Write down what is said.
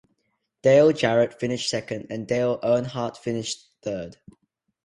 Dale Jarrett finished second and Dale Earnhardt finished third.